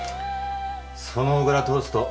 その小倉トースト。